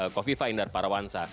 kofifa indar parawansa